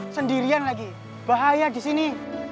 sendirian lagi bahaya disini